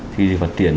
thì vật tiện